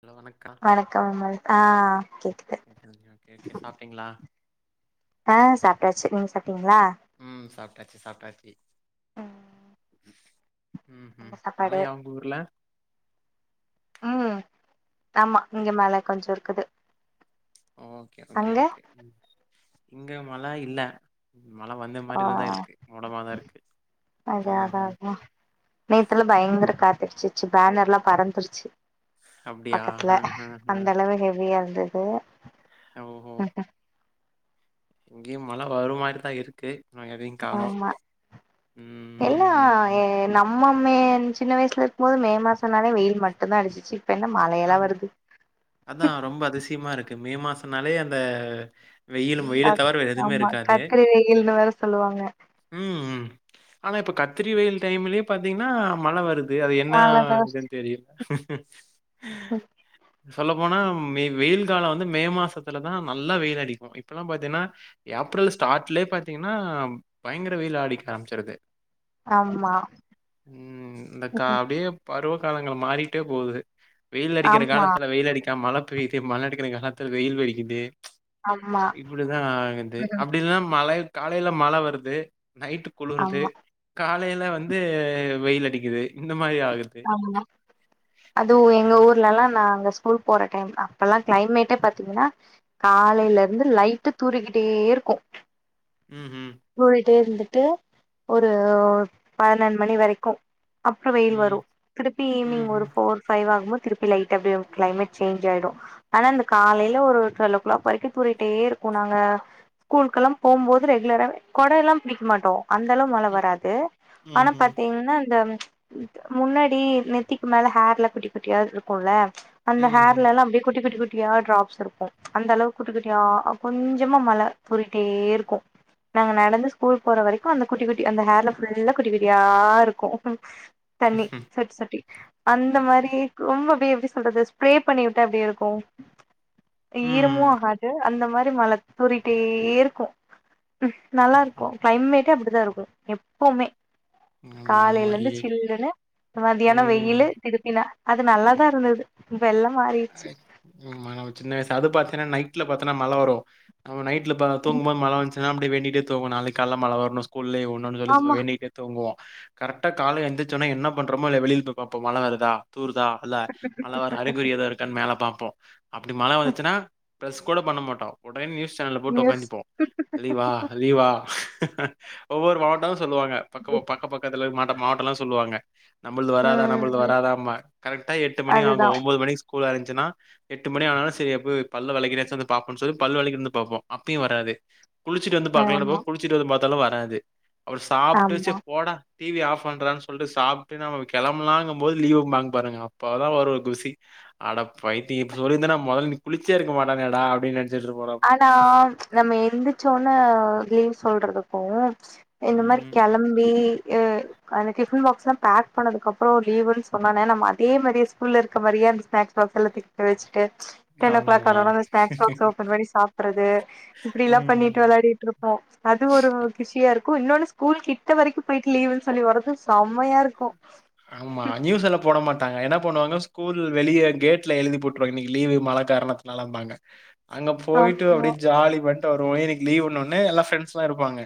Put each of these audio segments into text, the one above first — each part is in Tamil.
ஹலோ வணக் வணக்கோ விமல் ஆஹ் கேக்குது டீங்ளா ஆஹ் சாப்டாச்சு நீங்க சாப்ட்டீங்ளா உம் சாப்ட்டாச்சு சாப்ட்டாச்சு ம் உம்ஹும் என்ன சாப்பாடு மழையா உங்க ஊர்ல உம் ஆமா இங்க மழ கொஞ்சோ இருக்குது ஓகே ஓகே அங்க ஓகே இங்க மழ இல்ல மழ வந்த ஆ மாரிதா தா இருக்கு மூடமாதா இருக்கு அது அதா உஹம் அதா நேத்துல பயங்கர காத்துடுச்சிச்சு பேனர் எல்லா பறந்துடுச்சி அப்டியா பக்கத்துல ஆ ஆ அந்த அளவு ஹெவியா இருந்தது ஆ இங்யு மழ வரு மாரிதா இருக் கு ஆனா எதையு காணோ ஆமா ம் ம் ம் ம் நம்மோ மே சின்ன வயசுல இருக்கும் போது மே மாசம்னாலே வெயில் மட்டும்தா அடிச்சிச்சி இப்ப என்ன மழையெல்லா ஆம் வருது அதா ரொம்ப அதிசயமா இருக்கு மே மாசனாலே அந்த வெய்யிலு வெய்யில தவற வேற எதுவுமே ஆமா இருக்காது கத்திரி வெயில்னு வேற சொல்லுவாங்க ம் ஆனா இப்போ கத்திரி வெயில் டைம்லயே பாத்தீங்கனா மழ வருது து அது என்ன மழதா. இதுன்னு தெரிய [unintelligible] சொல்ல போனா மே வெயில் காலம் வந்து மே மாசத்துலதா நல்லா வெயில் அடிக்கு இப்பல்லா பாத்தீங்னா ஏப்ரல் ஸ்டார்ட்லயே பாத்தீங்கனா பயங்கர வெயில் அடிக்க ஆரம்பிச்சிருது ஆமா உம் இந்த கா அப்டியே பருவ காலங்கள் மாறிட்டே போகுது வெயில் அடிக்கற ஆமா காலத்துல வெயில் அடிக்கா மழை பெய்யுது மழை அடிக்கிற காலத்துல வெயில் அடிக்குது ஆமா இப்டிதா ஆகுது ம். அப்டில்னா மழை காலையில மழை வருது நைட்டு குளுறுது ஆமா காலையில வந்து வெயில் அடிக்குது இந்த மாதிரி ஆகுது ஆமாங்க அதுவு எங்க ஊர்லல்லா நாங்க ஸ்கூல் போற டைம் அப்பல்லா கிளைமேட்டே பாத்தீங்கனா காலையில இருந்து லைட்டா தூறிக்கிட்டே இருக்கு ம் ம் தூறிட்டே இருந்துட்டு ஒரு பனென்ட் மணி வரைக்கும் அப்புறம் வெயில் வரு ம். திருப்பி ஈவினிங் ஒரு ம்ஹ்ம். போ ஃபோர் பைவ் வாகும்போத் திருப்பி லைட்டா அப்டியே கிளைமட் சேஞ்ச் ஆய்டு ஆனா இந்த காலையில ஒரு டுவெல ஓ கிளாக் வரைக்கு தூறிட்டே இருக்கு நாங்க ஸ்கூல்கெல்லா போம்போது ரெகுலரா கொட எல்லா பிடிக்க மாட்டோ அந்த அளவு மழ ம். வராது ஆனா ம்ஹ்ம். பாத்தீங்ன்னா இந்த முன்னாடி நெத்திக்கு மேல ஹர்ல குட்டி குட்டியா இருக்குல்ல அந்த ம்ஹ்ம். ஹர்ல எல்லா அப்டியே குட்டி குட்டி குட்டி ட்டியா ட்ராப்ஸ் இருக்கு அந்த அளவுக்கு குட்டி குட்டியா கொஞ்சமா மழ தூறிட்டே இருக்கு நாங்க நடந்து ஸ்கூல் போற வரைக்கு அந்த குட்டி குட்டி அந்த ஹர்ல ஃபுல்லா குட்டி குட்டியா இருக்கு தண்ணி சொட்டி சொட்டி அந்த மாரி ரொம்ப எப்டி எப்டி சொல்றது ஸ்ப்ரே பண்ணிவிட்டா எப்டி இருக்கு ஈரமு ம். ஆகாது அந்த மாரி மழ தூறிட்டே இருக்கு நல்லா இருக்கு ம். க்ளைமேட்டே அப்டித்தா இருக்கு எப்போமே ஆமா, ஆமா. காலைல இந்து இது சில்லுன்னு மதியானோ ம். வெயிலு திருப்பினா அது நல்லாதா இருந்தது இப்ப எல்லா மாறிட்ச்சு ஐ- ஆமா நம்ம சின்ன வயசு அது பாத்தீனா நைட்ல பாத்தீன்னா மழ வரு நம்ம நைட்ல தூங்கும்போது மழ வந்துச்சி நா அப்டி வேண்டிட்டே தூங்குவ நாளைக்கு கால்ல மழ வரனு ஸ்கூல்லே ஒ ஆமா [unintelligible] வேண்டிகிட்டே தூங்குவோ கரெக்டா கால்ல எந்துச்சோன என்ன பண்றோமோ இல்லயோ வெளில போய் பாப்போ மழ வருதா தூறுதா அல்ல மழ வர அறிகுறி ஏதோ இருக்கான் மேல பாப்போ அப்டி மழ வந்துச்சுன்னா ப்ரஸ் கூட பண்ண மாட்டோ ஒடனே நியூஸ் சேனல போட்டு நியூஸ் உக்காந்திப்போ லீவா லீவா ஒவ்வொரு மாவட்ட சொல்லுவங்க பக்க பக்க பக்கத்துல மாட்ட மாவட்டல்லா சொல்லுவாங்க நம்பள்து வராதா நம்பள்து ம் வராதம்ம கரெக்டா எட்டு மணி ஆகு அதுதா ஒம்போது மணிக்கு ஸ்கூல் ஆரம்பிச்சுனா எட்டு மணி ஆனாலு சேரி அப்ப பல்ல வளைக்கியாச்சு வந்து பாப்போன் சொல்லி பல் வலக்கினு வந்து பாப்போ அப்பையு வராது குளிச்சிட்டு வந்து ஆமா பாக்கலான்பாப் குளிச்சிட்டு வந்து பாத்தாலு வராது அப்புறோ சாப்ட்டு சாி ஆமா போடா டிவி ஆஃப் பண்றா சொல்ட்டு சாப்ட்டு நம்ம கெளம்பலாங்கு போது லீவும்பாங்க பாருங்க அப்பதா வரு ஒரு குஷி அட பைத்தி சொல்லிந்தா நா மொதல்ல நீ குளிச்சே இருக்க மாட்டேனடா அப்டினு நினச்சிட்டு இருப்போ நா ஆனா நம்ம எந்திச்சோன்ன லீவ் சொல்றது போ இந்த மாரி ம். கெளம்பி அ அந்த டிஃபன் பாக்ஸ்லா பக் பண்ணதுக் அப்றோ லீவுன் சொன்னோனே நம்ம அதே மாரியே ஸ்கூல்ல இருக்க மாரியே அந்த ஸ்னக்ஸ் பாக்ஸ் எல்லா பி பிரிச்சிட்டு டென் ஓ க்ளாக் ஆமா. ஆனோனா அந்த ஸ்நக்ஸ் பாக்ஸ் ஓப்பன் பண்ணி சாப்பறது இப்டில்லா பண்ணிட்டு ம். விளாடிட்டு இருப்போ அது ஒரு கிஷியா இருக்கு இன்னொன்னு ஸ்கூல் கிட்ட வரைக்கு போய்ட்டு லீவுன் சொல்லி வர்றது சமையா இருக் ஆமா நியூஸ் எல்லா போட மாட் டாங்க என்ன பண்ணுவாங்க ஸ்கூல் வெளிய கேட்ல எழுதி போட்ருவாங்க இன்னைக்கு லீவு மழ காரணத்துலன்பாங்க அங்க போய்ட்டு ஆமா அப்டியே ஜாலி பண்ட்டு வருவோ ஏ இன்னிக்கு லீவுண்ணோனே எல்லா ஃப்ரெண்ட்ஸ்ல்லா இருப்பாங்க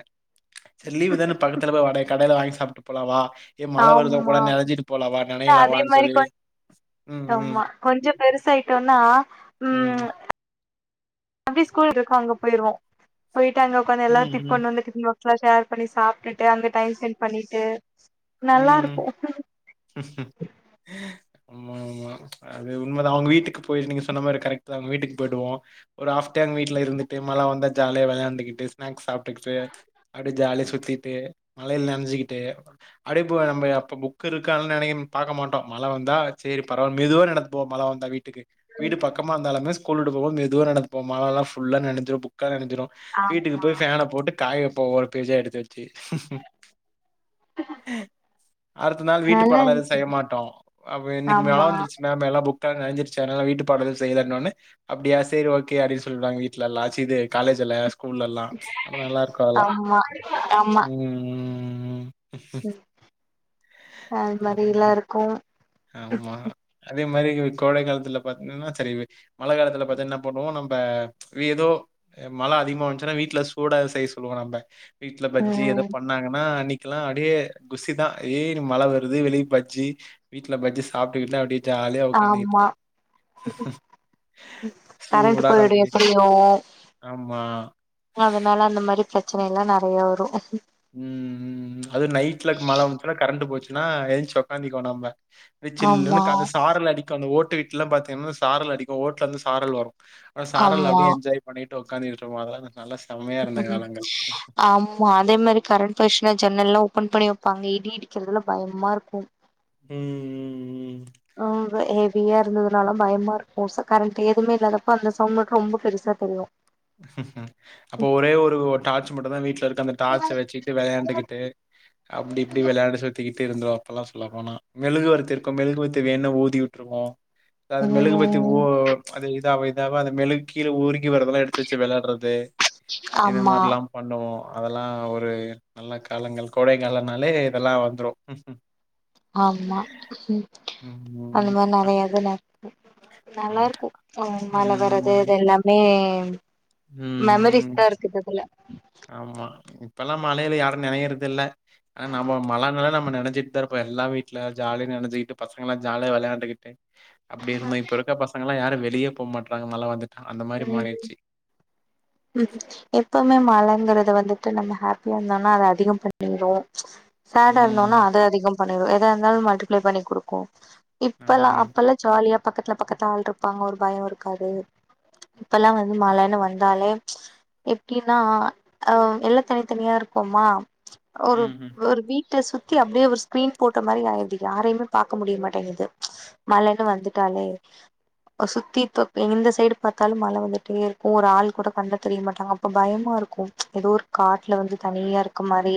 சரி லீவு தான பக்கத்துல போ வட கடைல வாங்கி சாப்ட்டு போலா வா ஏ மழ வருதா கூட ஆமா நனஞ்சிட்டு போலா வா இல்ல நனையலா அதே வான்னு மாரி சொல்லி கொஞ் ம், ம், ஆமா கொஞ்சோ பெருசாய்ட்டோனா ம் அப்டி ஸ்கூல் இருக்கு அங்க போய்ருவோ போய்ட்டு அங்க உக்காந்து எல்லா ம், ம், கொண்டு வந்த டிஃபன் பா லா ஷர் பண்ணி சாப்ட்டுட்டு அந்த டைம் ஸ்பெண்ட் பண்ணிட்டு நல்லா இருக்கு ஆமா ஆமா அது உண்மதா அவங்க வீட்டுக்கு போய் நீங்க சொன்ன மாரி கரெக்ட் தா அவங்க வீட்டுக்கு போய்டுவோ ஒரு ஆஃப் டே அவங்க வீட்ல இருந்துட்டு மழ வந்தா ஜாலியா விளையாண்டுக்கிட்டு ஸ்நக்ஸ் சாப் [unintelligible] அப்டியே ஜாலியா சுத்திட்டு மழைல நன்சிக்கிட்டு அப்டியே போ நம்ப்புக் புக்கு இருக்கா அதுலா நனை பாக்க மாட்டோ மழ வந்தா சேரி பரவால்ல மெதுவா நடந்து போம் மழ வந்தா வீட்டுக்கு வீடு ம் பக் க்கமா இந்தாலுமே ஸ்கூல் விட்டு போம் மெதுவா நடந்து போம் மழலா ஃபுல்லா நனஞ்சிரு புக்கா நனஞ்சுரு வீட்டுக்கு ஆமா போய் ஃபேன போட்டு காய போ ஒரு பேஜா எடுத்து தி அடுத்த நாள் வீட்டு நல்லா பாடோல்லா எது இருந்துச்சு செய்ய மாட்டோ அப்ப இன்னைக்கு மழ ஆமா வந்துச்சு மம் எல்லா புக் த நன்ஞ்சிருச்சு அதனால வீட்டு பாடோல்லா செய்லன்னோன அப்டியா செரி ஓகே அப்டின்னு சொல்றுவாங்க வீட்லல்லா சேந்து காலேஜ் இல்ல ஸ்கூல்ல எல்லா ரொம்ப நல்லாருக்கு அதெல்லா ஆமா ஆமா ம் ம் ம் அ அது ம் மாதிரில்லா இருக்கு ஆமா அதே மாரி கோடை காலத்துல பாத்தீங்கின்னா சரிவு மழ காலத்துல பாத்த என்ன பண்ணுவோ நம்ம ஆ வீதோ ஏ மழ அதிகமா வந்துச்சுன்னா வீட்ல சூட எது செய்ய சொல்லுவோ நம்ம வீட்ல பஜ்ஜி எதோ ம் பண்ணாங்கன்னா அன்னைக்கெலா அப்டியே குசிதா ஏய் மழ வருது வெளிய பஜ்ஜி வீட்ல பஜ்ஜி சாப்டுக்கினு அப்டியே ஜாலியா உக்காந்துக்கிட்டு கரண்டு போயிடு எப்டியு ஆமா. அதனால அந்த மாரி பிரச்சனை எல்லா நெறைய வரு ம் ம் அது நைட்ல மழ வச்சுன்னா கரண்ட் போச்சுன்னா ஏஞ்சு உக்காந்திக்கோ நம்ப ப்யே சில்லுன்னு ஆமா காத்து அந்த சாரல் அடிக்கு அந்த ஓட்டு வீட்லா பாத்தீங்கன்னா சாரல் அடிக்கு ஓட்டுல இருந்து சாரல் வரு அது சாரல் ஆமா அப்டியே என்ஜாய் பண்ணிட்டு உக்காந்துட்டு இருப்போ அதெல்லா நல்ல செம்மையா இருந்த ம் காலங்கள் [unintelligible] அதே மாரி கரண்ட் போர்ஷ்னா ஜன்னல்லா ஓபன் பண்ணி வைப்பாங் இடி இடிக்கிறதுல பயமா இருக்கு ம் ம். ஆ ஹெவியா இருந்ததுனால பயமா இருக்கு ச கரண்ட் எதுவுமே இல்லாதப்ப அந்த சவுண்ட் மட்டு ரொம்ப பெருசா தெரியு அப்போ ஒரே ஒரு டார்ச் மட்டு தா வீட்ல இருக் அந்த டார்ச்ச வச்சிட்டு விளையாண்டுக்கிட்டு அப்டி இப்டி விளையாண்டு சுத்திக்கிட்டு இருந்தோ அப்பெல்லா சொல்லாபோனா மெழுகு வரத்தி இருக்கு மெழுகு வேனே ஓதி விட்ருவோ [inaudible] அது மெழுகுபத்தி ஓ ம் அது இதாவ இதாவ அது மெழுகு கீழ உருகி வரதெல்லா எடுத் துச்சு வெளடறது இது ஆமா மாரில்லா பண்ணுவோ அதெல்லா ஒரு நல்லா காலங்கள் கோடை காலோனாலே இதெல்லா வந்துடு ஆமா அந்த ம். மாரி அ நெறைய இது நெ நல்லா ஆமா. இருக்கு மழ வரது இது ம். எல்லாமே ம். மெமரிஸ்தா ம். இருக்கு கிட்டத்துல ஆமா இப்பெல்லா மழைல யாரு நனையறதில்ல ஆனா நம்மோ மழனாலே நம்ம நனஞ்சிட் தாருப்போ எல்லா வீட்ல ஜாலியா நனஞ்சிகிட்டு பசங்கெல்லா ஜாலிய விளையாண்டுக்கிட்டு அப்டி இருந்தோ இப்ப இருக்க பசங் களா யாரு வெளியே போமாட்ராங்க மழ வந்துட் [unintelligible] ம்ஹூ எப்பவுமே மழங்கற்து வந்துட்டு நம்ம ஹாப்பியா இருந்தோனா அது அதிகோ பண்ணிரு சேடா இருந்தோனா ம். அத அதிகோ பண்ணிடு எதா இருந்தாலு மல்டிப்ளை பண்ணி குடுக்கு இப்பெல்லா ஆமா. அப்பெல்லா ஜாலியா பக்கத்துல பக்கத்துல ஆளு இருப்பாங்க ஒரு பயோ இருக்காது இப்பெல்லா வந்து மழனு வந்தாலே எப்டினா அ எல்லா தனித்தனியா இருக்கோமா ஒரு ம்ஹ்ம். ஒரு வீட் ட சுத்தி அப்டியே ஒரு ஸ்க்ரீன் போட்ட மாரி ஆயிடுது யாரைம்மே பாக்க முடிய மாட்டேங்குது மழைனு வந்துட்டாலே ஒரு சுத்தி தொப் இந்த சைடு எப்ப பாத்தாலு மழ வந்துட்டே இருக்கு ஒரு ஆளு கூட கண்ணுல தெரிய மாட்டாங்க அப்ப பயமா இருக்கு ஏதோ ஒரு காட்ல வந்து தனியா இருக்க மாரி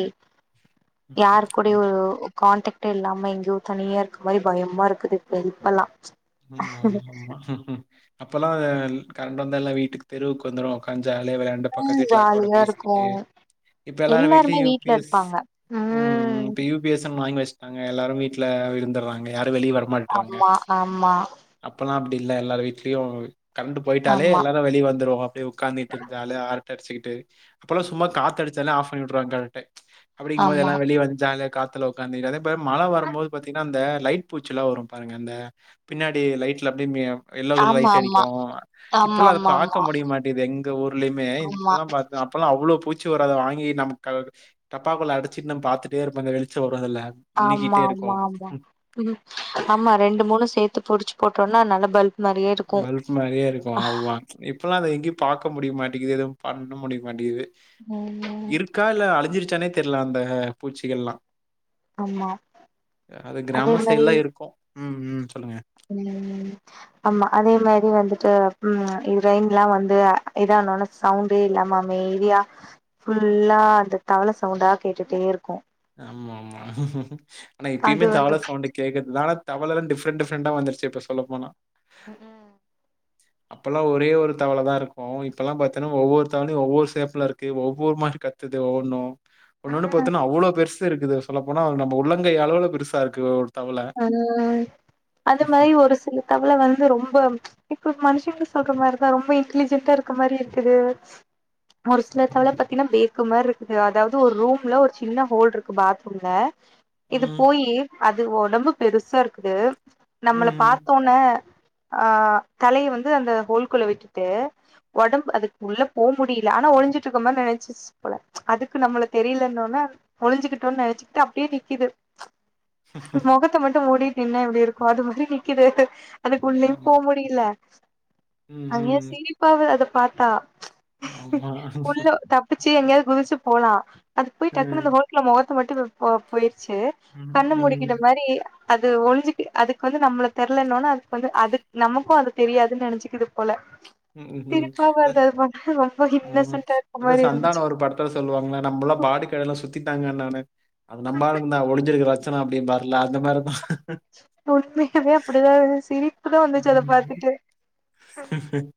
யாரு ஆமா. கூடயோ ஓ கான்டக்ட் இல்லாம எங்கியோ தனியா இருக்க மாரி பயமா இருக்குது இப் இப்ப இப்பெலா ம் ஆமா ஆமா அப்பெலா அ கரண்டு வந்து எல்லா வீட்டுக்கு தெருவுக்கு வந்துருவோ உக்காந்து ஜாலியா வெளாண்டு பக்கத்து வீட்ல அக்காயோட ஜாலியா இருக்கு பேசிக்கிட்டு இப்ப எல்லாரு வீட்லையு எல்லாருமே யூ பி வீட்ல எஸ் இருப்பாங்க ம் ம் யூப் பி எஸ்னு வாங்கி வெச்டாங்க எல்லாரு வீட்ல இருந்தறாங்க யாரு வெளிய வர ஆமா ஆமா அப்பெல்லா அப்டி இல்ல எல்லார் வீட்லயு கரண்ட் போயிட்டாலே ஆமா எல்லாரு வெளிய வந்துரு வோ அப்டியே உக்காந்து டு ஜாலியா அரட்ட அடிசிக்கிட்டு அப்பெல்லா சும்மா காத்து அடிச்சாலே ஆஃப் பண்ணி வுட்ருவாங்க கரண்டே அப்டிங்கும்போது ஆமா எல்லா வெளியே வந் ஜாலியா காத்துல உக்காந்துட்டு அதா இப்ப மழ வரும்போது பாத்தீங்னா அந்த லைட் பூச்சில்லா வரு பாருங்க அந்த பின்னாடி லைட்ல அப்டி மி எல்லோ கலர் ஆமா லைட்டு அடிக்கு ஆமா இப்போலா அத ஆமா ஆமா பாக்க முடிய மாட்டிது எங்க ஊர்லயுமே ஆமா இப்போல்லா பாத் அப்போல்லா அவ்ளோ பூச்சி வராத வாங்கி நம்ம க டப்பாக்குல்ல அடச்சுட் நம் பார்த்துட்டே இருப்ப அந்த வெளிச்சோ வரு அதுல ஆமா மின்னிக்கிட்டே ஆமா இருக்கும் ஆமா ம் ஆமா ரெண்டு மூணு சேத்து புடிச்சு போட்டோனா நல்ல பல்ப் மாரியே இருக்கு பல்ப் மாரியே இருக்கு ஆவா இப்போலா அது எங்கியு பாக்க முடிய மாட்டிங்குது எதுவு பண்ண முடிய மாட்டிங்குது ம் ம் இருக்கா இல்ல அழிஞ்சிருச்சானே தெரில அந்த பூச்சிகள்லா ஆமா அது அதே கிராம மாரி சைடுலா இருக்கு ம் ம் சொல்லுங்க ம் ஆமா அதே மாரி வந்துட்டு ம் இது ரைன்லா வந்து இதானோன சவுண்டே இல்லாம அமைதியா ஃபுல்லா அந்த தவள சவுண்டா கேட்டுட்டே இருக்கு ஆமா ஆமா ஆனா அது இப்பயுமே வந்து தவள சவுண்டு கேக்கறதுனால தவளலா டிஃப்ரெண்ட் டிஃப்ரெண்டா வந்துருச்சு இப்ப சொல்ல போனா ம் ம் அப்பெல்லா ஒரே ஒரு தவளதா இருக்கு இப்பெல்லா பாத்தீன்னா ஒவ்வொரு தவளையு ஒவ்வொரு சேபுல இருக்கு ஒவ்வொரு மாரி கத் த்துது ஒவ்வொன்னு ஒன்னொண்ணு பாத்தோன்னா அவ்ளோ பெருசு இருக்குது சொல்ல போனா நம்ப உள்ளங்கை அளவுள பெருசா இருக்கு தவள ம் அது மாரி ஒரு சில தவள வந்து ரொம்ப இப்ப மனுஷங்க சொல்ற மாரிதா ரொம்ப இன்டலிஜென்டா இருக்க மாரி இருக்குது ஒரு சில தவள பாத்தீன்னா பேக்கு மாரி இருக்குது அதாவது ஒரு ரூம்ல ஒரு சின்ன ஹோல் இருக்கு பாத்ரூம்ல இது ம் போயி அது ஒடம்பு பெருசா இருக்குது நம்மள ம் ம் பாத்தோன் ன ஆ தலைய வந்து அந்த ஹோல்குள்ள விட்டுட்டு ஒடம்பு அதுக்குள்ள போ முடில ஆனா ஒழிஞ்சிட்டு இருக்கமாரி நெனைச்சுஸ் சு போல அதுக்கு நம்மள தெரியலன்னோன ஒழிஞ்சிகிட்டோன் நெனச்சுக்கிட்டு அப்டியே நிக்குது மொகத்த மட்டு மூடிட் நின்னா எப்டி இருக்கு அது மாரி நிக்குது அதுக்குள்ளயோ ஆம். போ முடில ம் அங்கேயே ம் சிரிப்பா வருது அத பாத்தா ஆமா உள்ள தப்பிச்சி எங்கேயாது குதிச்சி போலா அது போய் டக்குனு அந்த ம் ஹோல் ல மொகத்த மட்டு இப்ப போ போயிருச்சு ம் கண்ணு முடிக்கிற மாரி அது ஒழிஞ்சுக்கு அதுக்கு வந்து நம்மள தெர்லனோன அதுக்கு வந்து அதுக் நமக்கோ அது தெரியாதுன் நெனசுக்குது போல ம் ம் ம் சிரிப்பா வருது அது பாக்க ரொம்ப ம் இன்னசென்டா இருக்க அதா மாரி சந்தான இருந்துச்சு ஒரு படத்துல சொல்லுவாங்கள நம்பல்லா பாடிக் இடலா சுத்திட்டாங்க நானே அது நம்பாளுங்தா ஒழிஞ்சிருக்கிற லட்சனோ அப்டிம்பாருல அந்த மாரிதா உண்மையாவே அப்டிதா இரு சிரிப்பா வந்துச்சு அத பாத்துட்டு உம் உம்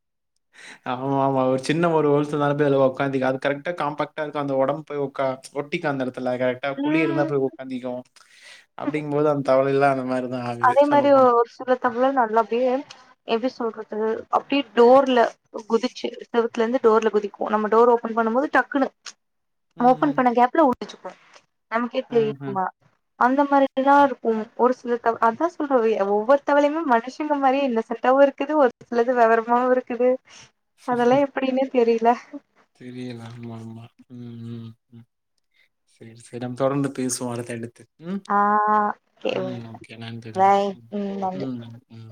ஆமா ஆமா ஒரு சின்ன ஒரு ஹோல்ஸ்னால போயி அதுல உக்காந்திகோ அது கரெக்டா காம்பக்டா இருக்கோ அந்த ஒடம் போயி ஒக்கா ஒட்டிக்கோ அந்த எடத்துல கரெக்ட் குழி இருந்தா ம் போய் ஒக்காந்திக்கோ அப்டிங்கும் போது அந்த தவலையிலா அந்த மாரி அதே மாரி ஒரு சில தவள நல்லா அப்டியே எப்டி சொல்றது அப்டி டோர்ல குதிச்சு செவத்துல இருந்து டோர்ல குதிக்கு நம்ம டோர் ஓப்பன் பண்ணும் போது டக்குன்னு ஓபன் ம் பண்ண கேப்ல உடிச்சுக்கு நமக்கே ம் ம் தெரியுமா அந்த மாரிலா ம். இருக்கு ஒரு சில அதா சொல்ற வ ஒவ்வொரு தவலையுமே மனுஷங்க மாரியே இன்னொசென்ட்டாவு இருக்குது ஒரு சிலது வெவரமாவு இருக் கது அதல்லா எப்படின்னே தெரில தெரியல ஆமா ஆமா உம் உம் செரி நம்ம தொடர்ந்து பேசுவோ அடுத்து அடுத்து ம் ஆஹ் ம் [unintelligible] ஓகே நன்றி நன்றி பாய் ம் நன்றி ம் ம்.